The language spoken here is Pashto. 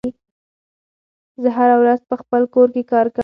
زه هره ورځ په خپل کور کې کار کوم.